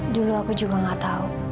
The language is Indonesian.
dulu aku juga gak tahu